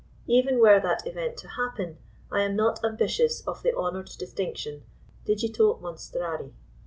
Even were that event to happen, I am not ambitious of the honoured distinction, digito monstrari.